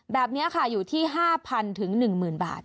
แบบนี้ค่ะอยู่ที่๕๐๐๑๐๐บาท